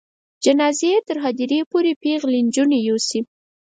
جنازه دې یې تر هدیرې پورې پیغلې نجونې یوسي.